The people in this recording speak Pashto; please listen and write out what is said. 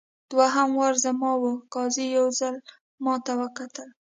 دوهم وار زما وو قاضي یو ځل ماته وکتل.